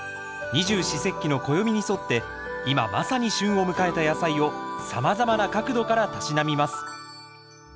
二十四節気の暦に沿って今まさに旬を迎えた野菜をさまざまな角度からたしなみます。